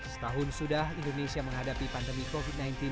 setahun sudah indonesia menghadapi pandemi covid sembilan belas